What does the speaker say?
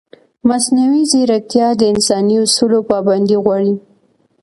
مصنوعي ځیرکتیا د انساني اصولو پابندي غواړي.